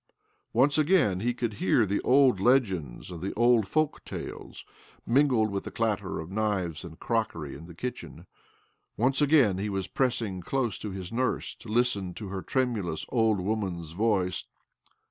Once again he could hear the old leger and the old folk tales, mingled with 1 clatter of knives and crockery in the kitcb Once again he was pressing close to '. nurse to listen to her tremulous, old woma voice.